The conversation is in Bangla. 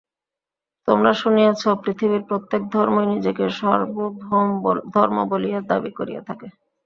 তোমরা শুনিয়াছ, পৃথিবীর প্রত্যেক ধর্মই নিজেকে সার্বভৌম ধর্ম বলিয়া দাবী করিয়া থাকে।